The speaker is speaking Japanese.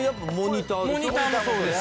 モニターもそうですし。